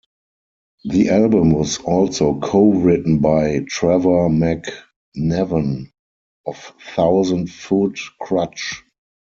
The album was also co-written by Trevor McNevan of Thousand Foot Krutch.